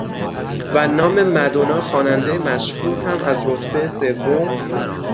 و نام مدونا خواننده مشهور هم از رتبه سوم